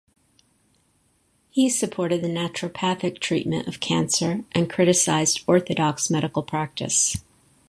He supported the naturopathic treatment of cancer and criticized orthodox medical practice.